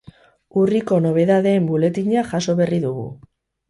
Urriko nobedadeen buletina jaso berri dugu.